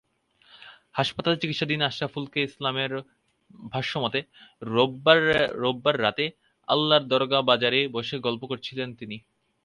হাসপাতালে চিকিৎসাধীন আশরাফুল ইসলামের ভাষ্যমতে, রোববার রাতে আল্লারদরগা বাজারে বসে গল্প করছিলেন তিনি।